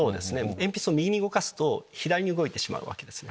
鉛筆を右に動かすと左に動いてしまうわけですね。